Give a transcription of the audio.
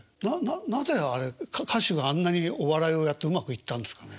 なぜあれ歌手があんなにお笑いをやってうまくいったんですかね？